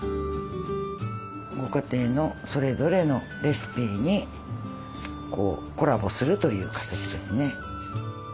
ご家庭のそれぞれのレシピにコラボするという形ですね。